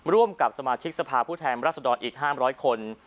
ร่วมกับสมาชิกสภาพผู้แทนรัศดรอีก๕๐๐คน